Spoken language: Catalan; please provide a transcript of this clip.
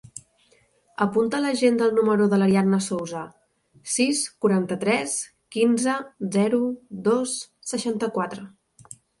Apunta a l'agenda el número de l'Ariadna Souza: sis, quaranta-tres, quinze, zero, dos, seixanta-quatre.